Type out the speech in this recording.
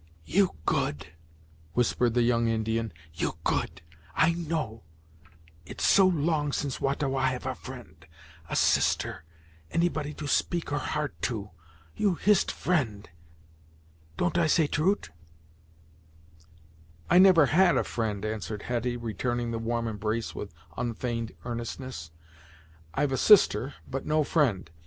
"You good " whispered the young Indian "you good, I know; it so long since Wah ta Wah have a friend a sister any body to speak her heart to! You Hist friend; don't I say trut'?" "I never had a friend," answered Hetty returning the warm embrace with unfeigned earnestness. "I've a sister, but no friend.